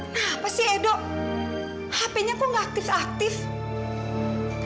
dan bagi saya hama yang tidak pernah bisa menye literally anggap narcissist